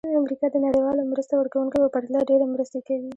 امریکا د نړیوالو مرسته ورکوونکو په پرتله ډېرې مرستې کوي.